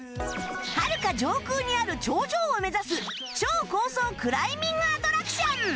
はるか上空にある頂上を目指す超高層クライミングアトラクション